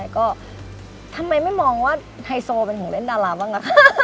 ก็ทำไมไม่มองว่าไฮโซเป็นของเล่นดาราบ้างล่ะคะ